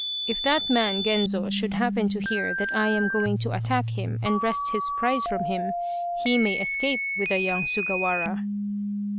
If that man Genzo should happen to hear that I am going to attack him and wrest his prize from him, he may escape with the young Sugawara."